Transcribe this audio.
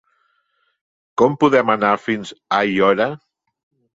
Com podem anar fins a Aiora?